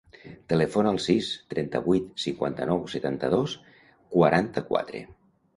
Telefona al sis, trenta-vuit, cinquanta-nou, setanta-dos, quaranta-quatre.